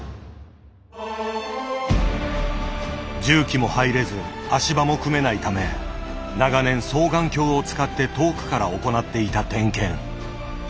重機も入れず足場も組めないため長年双眼鏡を使って遠くから行っていた点検。